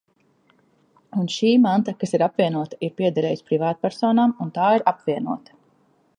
Un šī manta, kas ir apvienota, ir piederējusi privātpersonām, un tā ir apvienota.